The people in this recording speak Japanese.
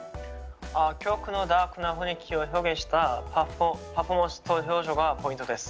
曲のダークな雰囲気を表現したパフォーマンスと表情がポイントです。